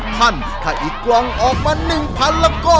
ท่านถ้าอีกกล่องออกมา๑๐๐๐แล้วก็